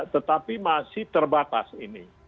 tetapi masih terbatas ini